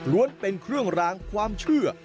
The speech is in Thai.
เป็นเครื่องรางความเชื่อ